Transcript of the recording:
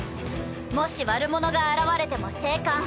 もし悪者が現れても静観。